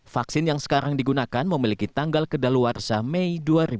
vaksin yang sekarang digunakan memiliki tanggal kedaluarsa mei dua ribu dua puluh